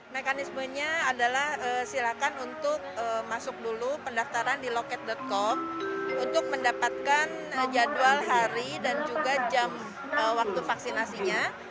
mekanismenya adalah silakan untuk masuk dulu pendaftaran di loket com untuk mendapatkan jadwal hari dan juga jam waktu vaksinasinya